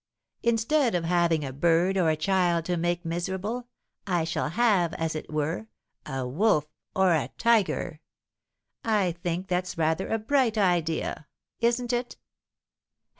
Instead of having a bird or a child to make miserable, I shall have, as it were, a wolf or a tiger. I think that's rather a bright idea; isn't it?"